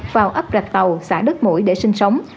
vào ấp rạch tàu xã đất mũi để sinh sống